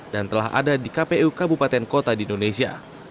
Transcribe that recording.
dan telah ada di kpu kabupaten kota di indonesia